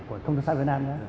của trung tâm xã việt nam